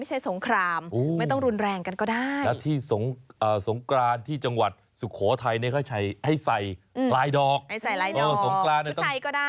ให้ใส่ลายดอกชุดไทยก็ได้